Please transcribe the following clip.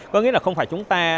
có nghĩa là không phải chúng ta